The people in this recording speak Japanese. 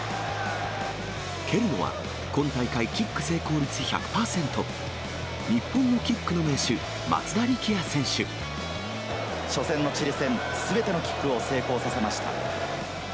蹴るのは、今大会キック成功率１００％、日本のキックの名手、初戦のチリ戦、すべてのキックを成功させました。